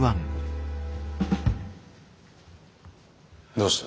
どうした？